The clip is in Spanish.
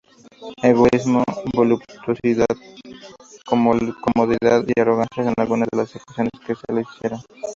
Egoísmo, voluptuosidad, comodidad y arrogancia son algunas de las acusaciones que se le hicieron.